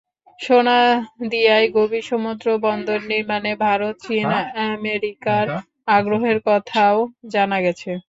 সোনাদিয়ায় গভীর সমুদ্র বন্দর নির্মাণে ভারত, চীন, আমেরিকার আগ্রহের কথাও জানা গেছে।